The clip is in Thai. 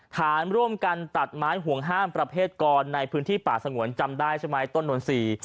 ฐานร่วมกันตัดไม้ห่วงห้ามประเภทกรในพื้นที่ป่าสงวนจำได้ใช่ไหมต้นนนทรีย์